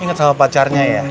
ingat sama pacarnya ya